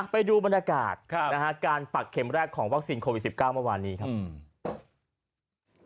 ไปดูบรรยากาศการปักเข็มแรกของวัคซีนโควิด๑๙เมื่อวานนี้ครับ